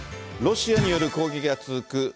ロシアによる攻撃が続く